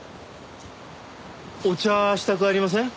お茶したくありません？